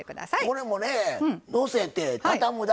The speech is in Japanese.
これもねのせて畳むだけ。